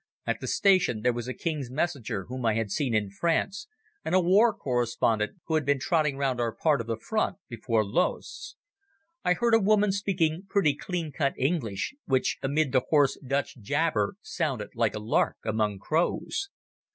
At the station there was a King's Messenger whom I had seen in France, and a war correspondent who had been trotting round our part of the front before Loos. I heard a woman speaking pretty clean cut English, which amid the hoarse Dutch jabber sounded like a lark among crows.